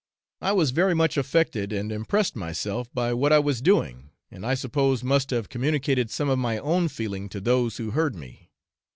I was very much affected and impressed myself by what I was doing, and I suppose must have communicated some of my own feeling to those who heard me.